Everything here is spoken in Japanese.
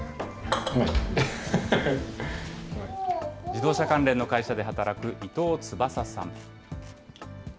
自動車関連の会社で働く伊藤翼さん。